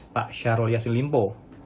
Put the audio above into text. pak syahrul yassin limpo